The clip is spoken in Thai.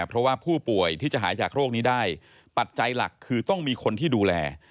เพราะว่าผู้ป่วยที่จะหายจากโรคนี้ได้ปัจจัยหลักคือต้องมีคนที่ดูแล